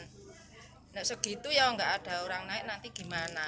tidak segitu ya nggak ada orang naik nanti gimana